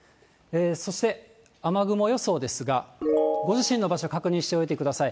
そして雨雲予想ですが、ご自身の場所、確認しておいてください。